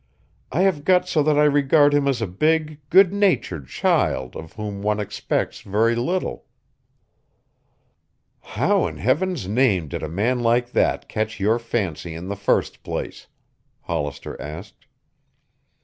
I have got so that I regard him as a big, good natured child of whom one expects very little." "How in heaven's name did a man like that catch your fancy in the first place?" Hollister asked.